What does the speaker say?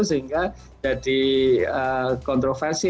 sehingga jadi kontroversi